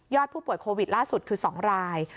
ผู้ป่วยโควิดล่าสุดคือ๒ราย